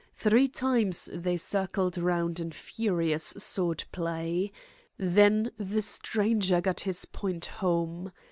Three times they circled round in furious sword play. Then the stranger got his point home.